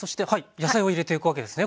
野菜を入れていくわけですね